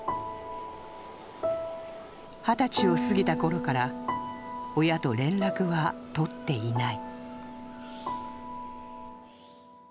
二十歳を過ぎたころから親と連絡は取っていない。